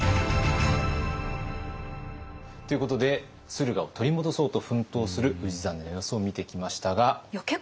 ということで駿河を取り戻そうと奮闘する氏真の様子を見てきましたが。